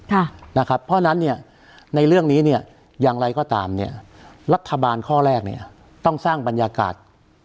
เพราะฉะนั้นในเรื่องนี้อย่างไรก็ตามรัฐบาลข้อแรกต้องสร้างบรรยากาศ